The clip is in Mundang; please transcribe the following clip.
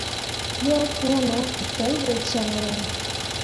Yo pũũ no ke pelɓe caŋryaŋ.